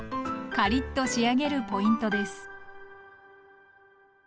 カリッと仕上げるポイントです。